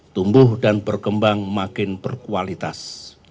tumbuh dan berkembang makin berkualitas